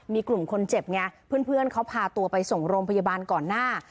มีกลุ่มคนเจ็บไงเพื่อนเขาพาตัวไปส่งโรงพยาบาลก่อนหน้า